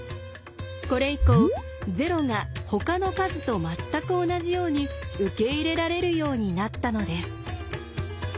これ以降０がほかの数と全く同じように受け入れられるようになったのです。